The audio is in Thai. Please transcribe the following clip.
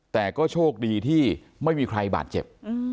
แต่ก็โชคดีที่ไม่มีใครบาดเจ็บ